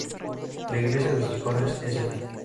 La iglesia de sus padres, St.